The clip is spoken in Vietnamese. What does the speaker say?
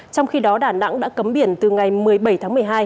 trong khi đó đà nẵng đã cấm biển từ ngày một mươi bảy tháng một mươi hai